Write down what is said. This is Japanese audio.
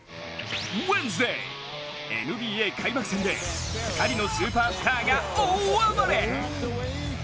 ウェンズデーＮＢＡ開幕戦で２人のスーパースターが大暴れ！